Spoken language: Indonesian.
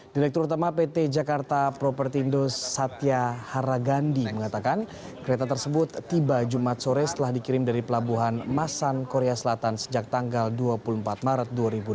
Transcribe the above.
direktur utama pt jakarta propertindo satya haragandi mengatakan kereta tersebut tiba jumat sore setelah dikirim dari pelabuhan masan korea selatan sejak tanggal dua puluh empat maret dua ribu delapan belas